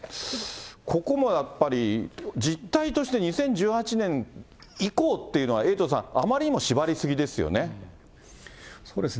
ここもやっぱり、実態として２０１８年以降っていうのは、エイトさん、あまりにも縛り過ぎですよね。